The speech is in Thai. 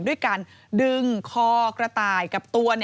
ด้วยการดึงคอกระต่ายกับตัว